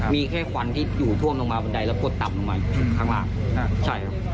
มีแค่ควันที่อยู่ท่วมลงมาบนใดแล้วกดตับลงมาข้างล่าง